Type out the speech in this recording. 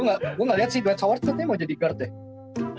gue gak liat si dwayne sowartetnya mau jadi guard deh